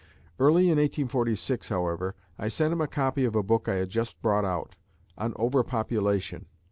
Early in 1846, however, I sent him a copy of a book I had just brought out, on "Over population."